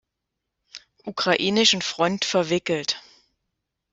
Ukrainischen Front verwickelt.